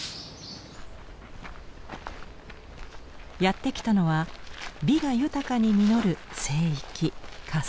やって来たのは美が豊かに実る聖域春日大社。